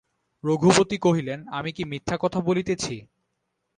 রঘুপতি কহিলেন, আমি কি মিথ্যা কথা বলিতেছি?